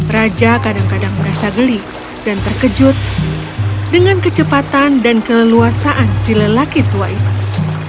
raja kadang kadang merasa geli dan terkejut dengan kecepatan dan keleluasaan si lelaki tua itu